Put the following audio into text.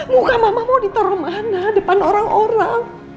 muka mama mau ditaruh mana depan orang orang